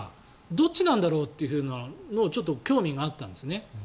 どっちなんだろうというのにちょっと興味があったんですね。